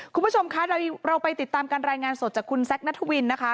คุณผู้ชมคะเราไปติดตามการรายงานสดจากคุณแซคนัทวินนะคะ